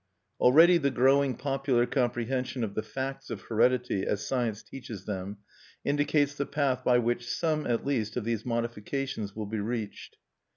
Already the growing popular comprehension of the facts of heredity, as science teaches them, indicates the path by which some, at least, of these modifications will be reached.